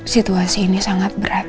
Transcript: situasi ini sangat berat